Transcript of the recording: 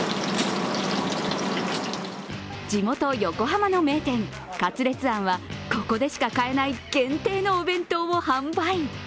地元、横浜の名店勝烈庵は、ここでしか買えない限定のお弁当を販売。